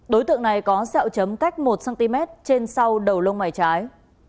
đối tượng này có sẹo chấm cách một cm trên sau đầu lông mày trái